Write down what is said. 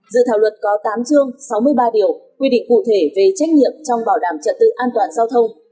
dự thảo luật có tám chương sáu mươi ba điều quy định cụ thể về trách nhiệm trong bảo đảm trật tự an toàn giao thông